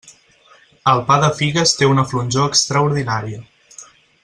El pa de figues té una flonjor extraordinària.